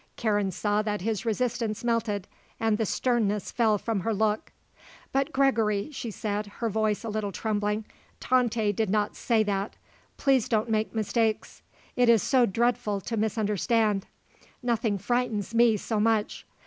Karen saw that his resistance melted and the sternness fell from her look. "But Gregory," she said, her voice a little trembling, "Tante did not say that. Please don't make mistakes. It is so dreadful to misunderstand; nothing frightens me so much.